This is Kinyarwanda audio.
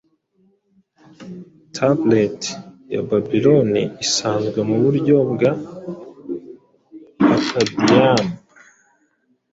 Tablet ya Babiloni isanzwe muburyo bwa Akkadian